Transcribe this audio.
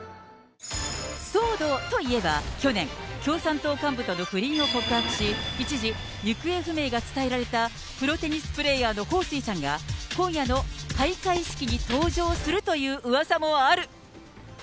騒動といえば、去年、共産党幹部との不倫を告白し、一時、行方不明が伝えられたプロテニスプレーヤーの彭帥さんが、今夜の開会式に登場するといううわさもある。